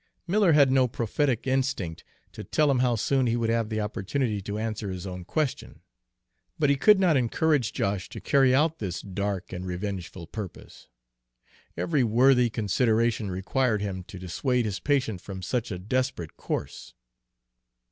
Miller had no prophetic instinct to tell him how soon he would have the opportunity to answer his own question. But he could not encourage Josh to carry out this dark and revengeful purpose. Every worthy consideration required him to dissuade his patient from such a desperate course.